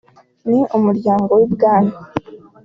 n’umuryango w’ibwami